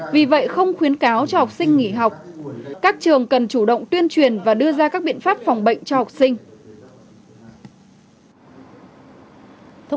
vì vậy không khuyến cáo cho học sinh nghỉ học